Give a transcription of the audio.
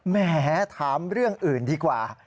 แหมถามเรื่องอื่นดีกว่า